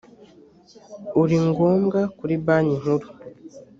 uri ngombwa kuri banki nkuru